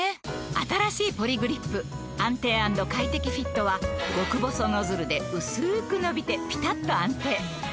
新しいポリグリップ「安定＆快適フィット」は極細ノズルでうすく伸びてピタッと安定！